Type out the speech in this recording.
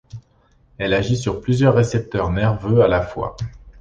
Elle agit sur plusieurs récepteurs nerveux à la fois.